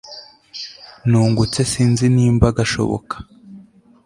nungutse sinzi nimba gashoboka